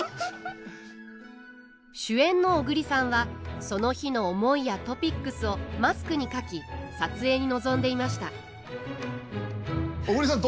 主演の小栗さんはその日の思いやトピックスをマスクに書き撮影に臨んでいました小栗さん